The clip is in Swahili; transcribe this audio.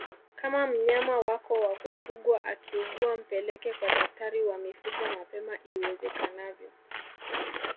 Kama mnyama wako wa kufugwa akiugua mpeleke kwa daktari wa mifugo mapema iwezekanavyo